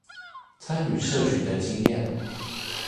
參與社群的經驗